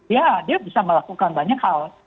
ya dia bisa melakukan banyak hal